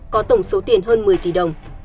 có tổng số tiền hơn một mươi tỷ đồng